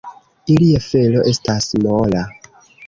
Ilia felo estas mola.